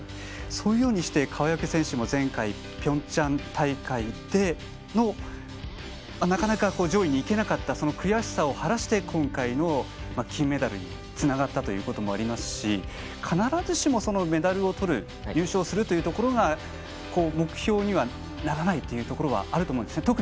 そういうようにして川除選手も前回ピョンチャン大会でなかなか上位に行けなかった悔しさを晴らして今回の金メダルにつながったということもありますし必ずしもメダルをとる優勝するというところが目標にはならないというところがあると思うんですね。